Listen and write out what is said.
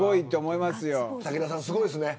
武田さん、すごいですね。